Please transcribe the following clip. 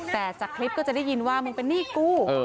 แต่จากคลิปก็จะได้ยินว่ามึงเป็นหนี้กู